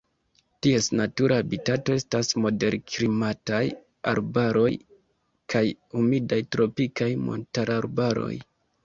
Ties natura habitato estas moderklimataj arbaroj kaj humidaj tropikaj montararbaroj.